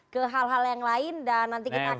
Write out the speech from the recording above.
ke hal hal yang lain dan nanti kita akan